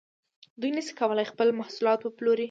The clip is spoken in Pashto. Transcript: دوی نشي کولای خپل محصولات وپلوري